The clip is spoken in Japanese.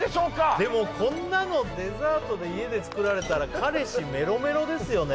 でもこんなのデザートで家で作られたら彼氏メロメロですよね。